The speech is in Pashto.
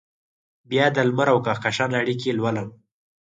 بیا دلمر اوکهکشان اړیکې لولم